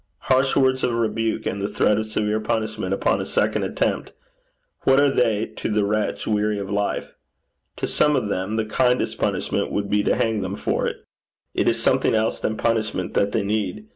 Harsh words of rebuke, and the threat of severe punishment upon a second attempt what are they to the wretch weary of life? To some of them the kindest punishment would be to hang them for it. It is something else than punishment that they need.